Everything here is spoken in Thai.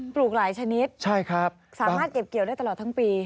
ลูกหลายชนิดสามารถเก็บเกี่ยวได้ตลอดทั้งปี